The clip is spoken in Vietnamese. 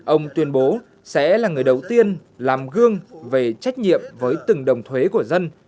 ông tuyên bố sẽ là người đầu tiên làm gương về trách nhiệm với từng đồng thuế của dân